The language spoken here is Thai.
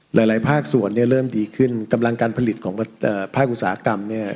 หลายหลายภาคส่วนเนี่ยเริ่มดีขึ้นกำลังการผลิตของภาคอุตสาหกรรมเนี่ย